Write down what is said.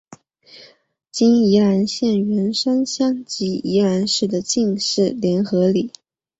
今宜兰县员山乡及宜兰市的进士联合里。